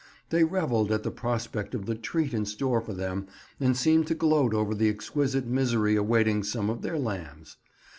They revelled at the prospect of the treat in store for them, and seemed to gloat over the exquisite misery awaiting some of their lambs.